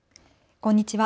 こんにちは。